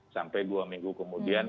sampai dua minggu kemudian